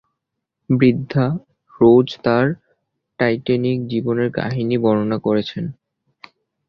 বৃদ্ধা রোজ তার টাইটানিক জীবনের কাহিনী বর্ণনা করেছেন।